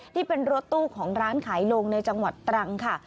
ที่เป็นรถตู้ของร้านขายลงในจังหวัดตรังค่ะ